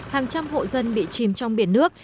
hàng trăm hộ dân bị chìm trong biển nước